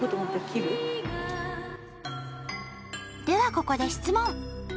ではここで質問！